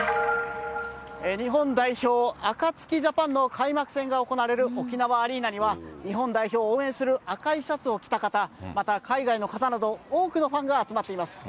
日本代表、アカツキジャパンの開幕戦が行われる沖縄アリーナには、日本代表を応援する赤いシャツを着た方、また海外の方など、多くのファンが集まっています。